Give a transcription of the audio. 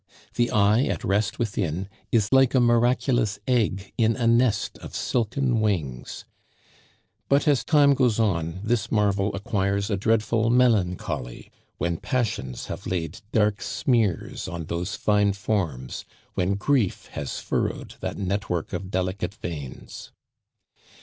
The eye at rest within is like a miraculous egg in a nest of silken wings. But as time goes on this marvel acquires a dreadful melancholy, when passions have laid dark smears on those fine forms, when grief had furrowed that network of delicate veins.